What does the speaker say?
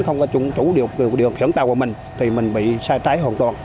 không có chủ điều khiển tàu của mình thì mình bị sai trái hoàn toàn